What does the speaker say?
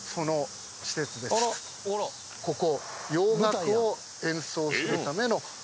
ここ。